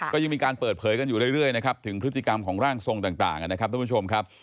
ก็ยังมีการเปิดเผยกันอยู่เรื่อยนะครับถึงพฤติกรรมของร่างทรงต่างนะครับทุกผู้ชมครับ